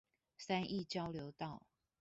三義交流道